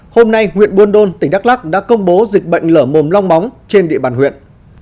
hôm nay huyện buôn đôn tỉnh đắk lắc đã công bố dịch bệnh lở mồm long móng trên địa bàn huyện